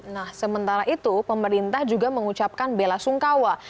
nah sementara itu pemerintah juga mengucapkan bela sungkawa